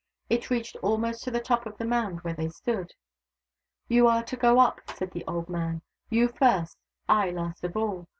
It reached almost to the top of the mound where they stood. " You are to go up," said the old man. " You first, I last of all.